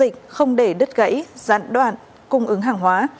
chủ tịch ubnd tỉnh bình định không để đất gãy giãn đoạn cung ứng hàng hóa